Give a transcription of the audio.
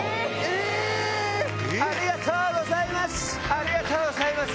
ありがとうございます！